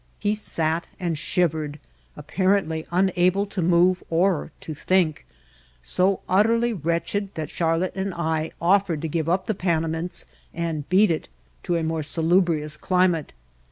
He sat and shivered, apparently unable to move or to think, so utterly wretched that Charlotte and I offered to give up the Panamints and ''beat it" to a more salubrious climate.